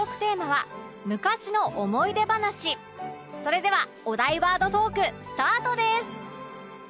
それではお題ワードトークスタートです